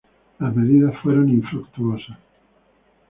Las medidas fueron infructuosas.